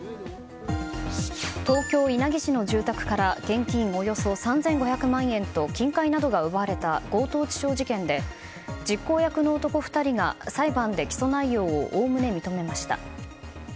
東京・稲城市の住宅から現金およそ３５００万円と金塊などが奪われた強盗致傷事件で実行役の男２人が裁判で起訴内容を概ね認めました。